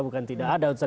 bukan tidak ada